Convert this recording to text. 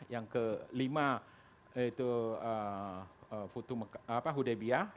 yang kelima itu hudaybiah